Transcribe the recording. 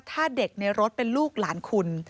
ถ้าเด็กในรถเป็นลูกหลานคุณ